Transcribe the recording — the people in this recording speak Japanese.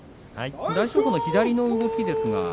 大翔鵬の左の動きですが。